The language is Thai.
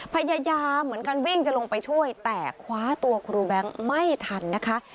พยายามเหมือนกันวิ่งจะลงไปช่วยแต่คว้าตัวครูแบงค์ไม่ทันนะคะ